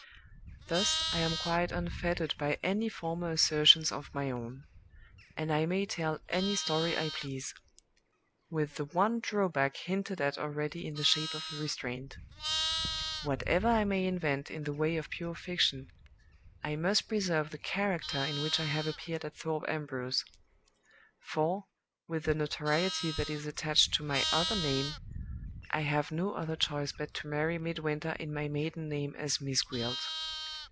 Thus I am quite unfettered by any former assertions of my own; and I may tell any story I please with the one drawback hinted at already in the shape of a restraint. Whatever I may invent in the way of pure fiction, I must preserve the character in which I have appeared at Thorpe Ambrose; for, with the notoriety that is attached to my other name, I have no other choice but to marry Midwinter in my maiden name as 'Miss Gwilt.